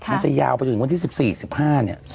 มันจะยาวไปจนถึงวันที่๑๔๑๕เนี่ย